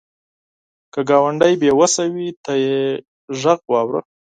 که ګاونډی بې وسه وي، ته یې غږ واوره